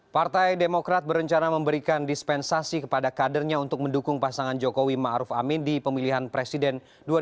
partai demokrat berencana memberikan dispensasi kepada kadernya untuk mendukung pasangan jokowi ⁇ maruf ⁇ amin di pemilihan presiden dua ribu sembilan belas